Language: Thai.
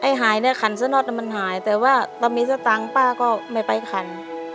ไอ้หายนี่ทำไมขันกันมันหายแต่ว่าเต่ามีสตางค์ป้าก็ไม่ไปขัน